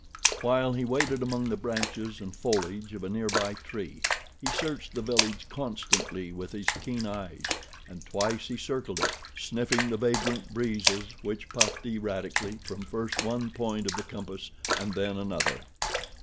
While he waited among the branches and foliage of a near by tree he searched the village constantly with his keen eyes, and twice he circled it, sniffing the vagrant breezes which puffed erratically from first one point of the compass and then another.